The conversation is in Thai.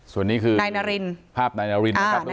ส่วนนี้คือนายนารินผ้าปนายนารินนายนารินนะคะ